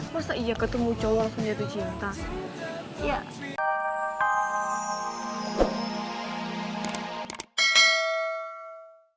masa iya ketemu cowok yang jatuh cinta